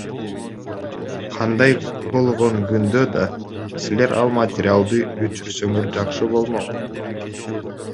Кандай болгон күндө да силер ал материалды өчүрсөңөр жакшы болмок.